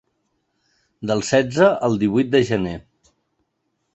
Del setze al divuit de gener.